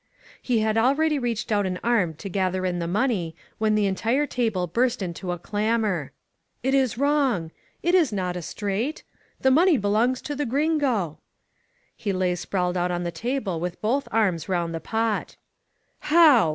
He had already reached out an arm to gather in the money when the entire table burst into a clamor. It is wrong!'* "It is not a straight!'* "The money belongs to the Gringo !" He lay sprawled out on the table with both arms round the pot. "How?"